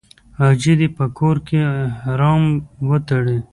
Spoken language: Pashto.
حاجي دې په کور کې احرام وتړي.